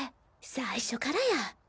最初からや！